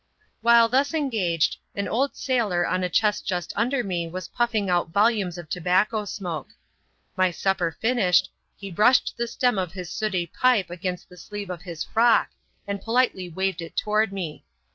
While thus engaged, an old sailor on a chest just under me was pufiing out volumes of tobacco smoke. My supper finished, he brushed the stem of his sooty pipe against the sleeve of his frock, and politely waved it toward me.